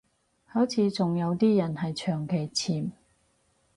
好似仲有啲人係長期潛